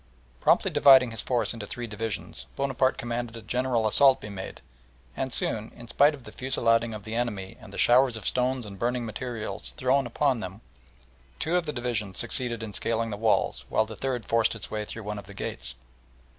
Promptly dividing his force into three divisions, Bonaparte commanded a general assault to be made, and soon, in spite of the fusillading of the enemy and the showers of stones and burning materials thrown upon them, two of the divisions succeeded in scaling the walls, while the third forced its way through one of the gates.